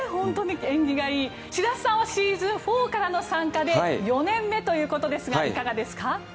白洲さんはシーズン４からの参加で４年目ということですがいかがですか？